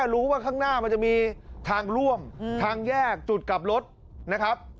รู้ว่าข้างหน้ามันจะมีทางร่วมทางแยกจุดกลับรถนะครับ